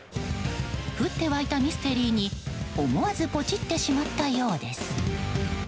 降って湧いたミステリーに思わずポチってしまったようです。